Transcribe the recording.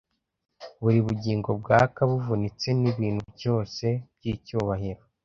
Buri bugingo bwaka buvutse nibintu byose byicyubahiro,